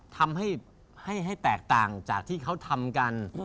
ทำให้แตกต่างจากที่เขาทำกัน